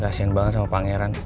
kasian banget sama pangeran